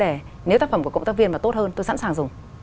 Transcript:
tất cả các tác phẩm của cộng tác viên mà tốt hơn tôi sẵn sàng dùng